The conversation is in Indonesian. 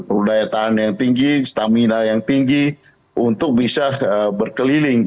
perlu daya tahan yang tinggi stamina yang tinggi untuk bisa berkeliling